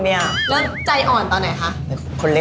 ให้คุณแม่